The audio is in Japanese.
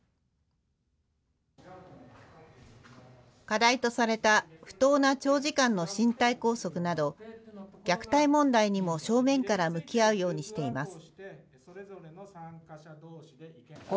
課題とされた不当な長時間の身体拘束など、虐待問題にも正面から向き合うようにしています。